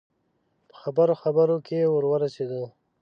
په خبرو خبرو کې ور ورسېدو.